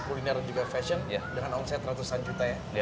kuliner dan juga fashion dengan omset ratusan juta ya